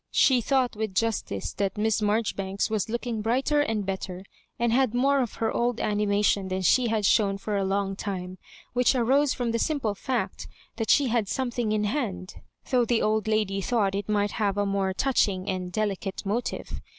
She thought with justice that Miss Marjoribanks was looking brighter and better, and had more of her old animation than she had shown for a long time — ^which arose from the simple &ct that she had something in hand, though the old lady thought it might have a more touching and deli cate motive.